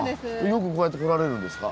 よくこうやって来られるんですか。